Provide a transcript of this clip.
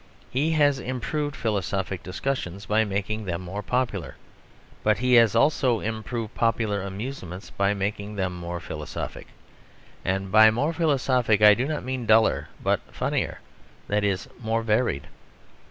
He has improved philosophic discussions by making them more popular. But he has also improved popular amusements by making them more philosophic. And by more philosophic I do not mean duller, but funnier; that is more varied.